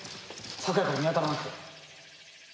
昨夜から見当たらなくて。